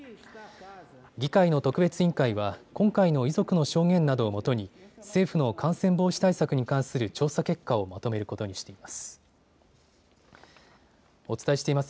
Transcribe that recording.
議会の特別委員会は今回の遺族の証言などをもとに政府の感染防止対策に関する調査結果をまとめることにしています。